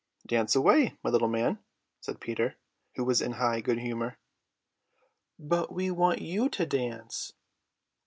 "Dance away, my little man," said Peter, who was in high good humour. "But we want you to dance."